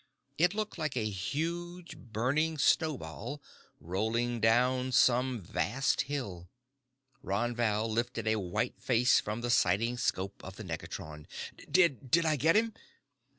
It looked like a huge burning snowball rolling down some vast hill. Ron Val lifted a white face from the sighting 'scope of the negatron. "Did did I get him?"